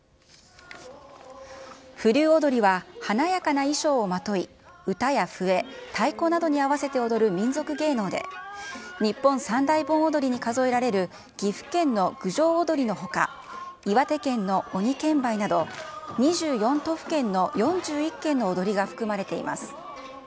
風流踊は華やかな衣装をまとい、歌や笛、太鼓などに合わせて踊る民俗芸能で日本三大盆踊りに数えられる岐阜県の郡上踊のほか、岩手県の鬼剣舞など、２４都府県の４１件の踊りが含まれています。